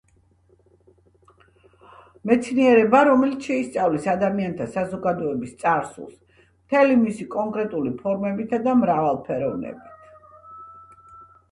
მეცნიერება, რომელიც შეისწავლის ადამიანთა საზოგადოების წარსულს მთელი მისი კონკრეტული ფორმებითა და მრავალფეროვნებით.